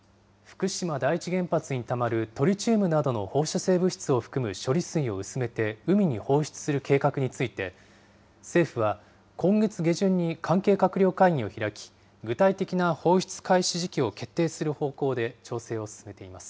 福島第一原発にたまるトリチウムなどの放射性物質を含む処理水を薄めて海に放出する計画について、政府は今月下旬に関係閣僚会議を開き、具体的な放出開始時期を決定する方向で調整を進めています。